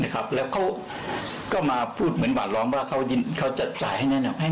เข้ามาพูดเหมือนหว่าร้องว่าเขาจะจ่ายให้แน่นอน